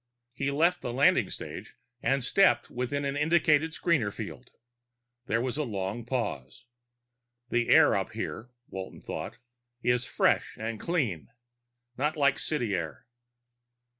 He left the landing stage and stepped within an indicated screener field. There was a long pause. The air up here, Walton thought, is fresh and clean, not like city air.